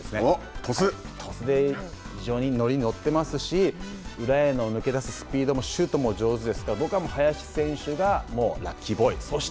鳥栖で非常に乗りに乗っていますし、裏への抜け出すシュートも上手ですから僕は林選手がラッキーボーイ。